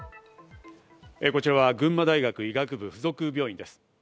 こちらは群馬大学医学部附属病院です。